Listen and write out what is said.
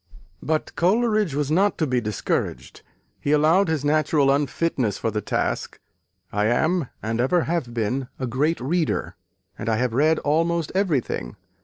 But Coleridge was not to be discouraged. He allowed his natural unfitness for the task "I am, and ever have been, a great reader, and have read almost everything....